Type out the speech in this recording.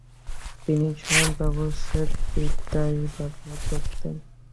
তিনি শব ব্যবচ্ছেদ বিদ্যায় ব্যবহার করতেন।